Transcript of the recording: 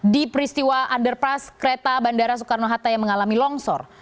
di peristiwa underpass kereta bandara soekarno hatta yang mengalami longsor